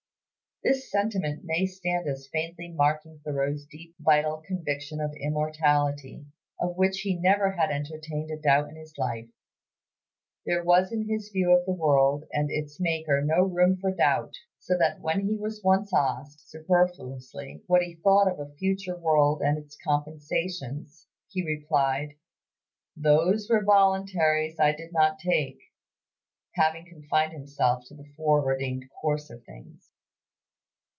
This sentiment may stand as faintly marking Thoreau's deep, vital conviction of immortality, of which he never had entertained a doubt in his life. There was in his view of the world and its Maker no room for doubt; so that when he was once asked, superfluously, what he thought of a future world and its compensations, he replied, "Those were voluntaries I did not take," having confined himself to the foreordained course of things.